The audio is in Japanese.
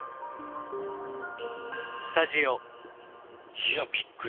いやびっくり。